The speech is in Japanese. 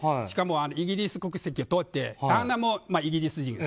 しかも、イギリス国籍を取って旦那もイギリス人。